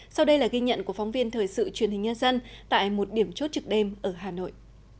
sau đây là ghi nhận của phóng viên thời sự truyền hình nhân dân tại một điểm chốt trực đêm ở hà nội